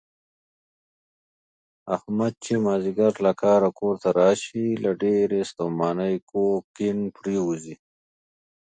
احمد چې مازدیګر له کاره کورته راشي، له ډېرې ستومانۍ کوږ کیڼ پرېوځي.